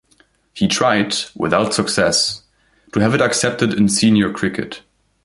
He tried, without success, to have it accepted in senior cricket.